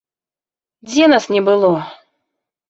Дзе нас не было?